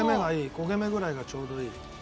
焦げ目ぐらいがちょうどいい。